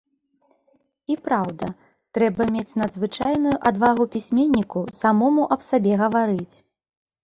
І, праўда, трэба мець надзвычайную адвагу пісьменніку самому аб сабе гаварыць.